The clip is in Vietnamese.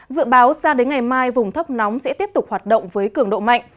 dự báo ra đến ngày mai vùng thấp nóng sẽ tiếp tục hoạt động với cường độ mạnh